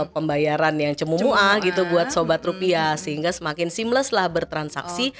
pembayaran yang cemumuah gitu buat sobat rupiah sehingga semakin simless lah bertransaksi